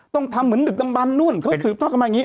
ต้องทำเหมือนดึกดำบันนู่นเขาสืบทอดกันมาอย่างนี้